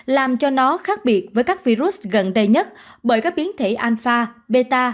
làm cho nó khác biệt với các virus gần đây nhất bởi các biến thể anfa beta